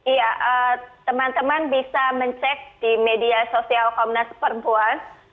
iya teman teman bisa mencek di media sosial komnas perempuan